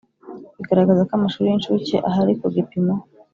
bagaragaza ko amashuri y inshuke ahari ku gipimo